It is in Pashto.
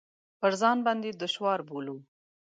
پر ځان باندې دشوار بولو.